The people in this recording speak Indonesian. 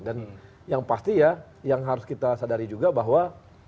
dan yang pasti ya yang harus kita sadari juga bahwa